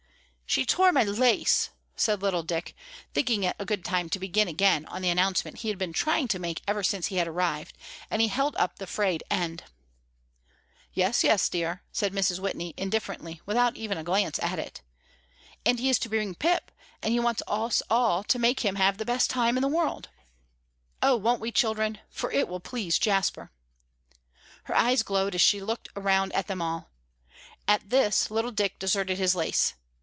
"She tore my lace," said little Dick, thinking it a good time to begin again on the announcement he had been trying to make ever since he had arrived, and he held up the frayed end. "Yes, yes, dear," said Mrs. Whitney, indifferently without even a glance at it; "and he is to bring Pip, and he wants us all to make him have the best time in the world. Oh, won't we, children! for it will please Jasper." Her eyes glowed as she looked around at them all. At this little Dick deserted his lace.